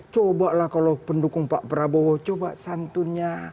cobalah kalau pendukung pak prabowo coba santunnya